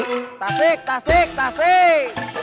tasik tasik tasik